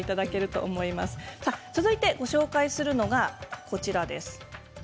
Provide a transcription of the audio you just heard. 続いてご紹介するのがこちらです。